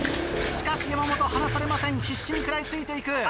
しかし山本離されません必死に食らい付いて行く！